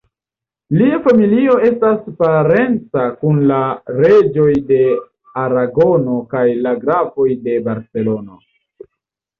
Lia familio estis parenca kun la reĝoj de Aragono kaj la grafoj de Barcelono.